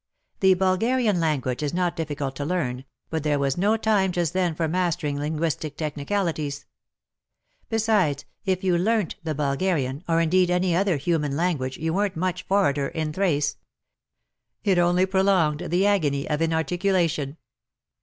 The Bulgarian language is not difficult to learn, but there was no time just then for mastering linguistic technicalities. Besides, if you learnt the Bulgarian, or indeed any other human language, you weren't much *' forrader " in Thrace. It only prolonged the agony of inarticulation.